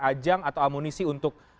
ajang atau amunisi untuk